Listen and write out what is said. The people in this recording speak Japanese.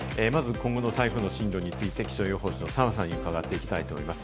まず今後の台風の進路について気象予報士の澤さんに伺っていきたいと思います。